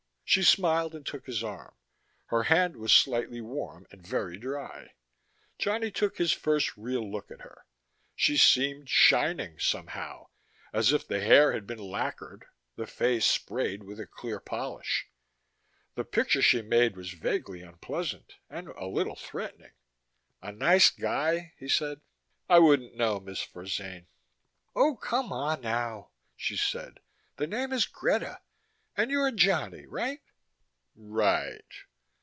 She smiled and took his arm. Her hand was slightly warm and very dry. Johnny took his first real look at her: she seemed shining, somehow, as if the hair had been lacquered, the face sprayed with a clear polish. The picture she made was vaguely unpleasant, and a little threatening. "A nice guy?" he said. "I wouldn't know, Miss Forzane." "Oh, come on, now," she said. "The name is Greta. And you're Johnny right?" "... Right."